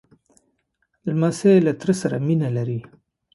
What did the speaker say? لمسی له تره سره مینه لري.